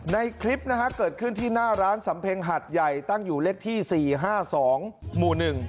ในคลิปนะฮะเกิดขึ้นที่หน้าร้านสำเพ็งหัดใหญ่ตั้งอยู่เลขที่๔๕๒หมู่๑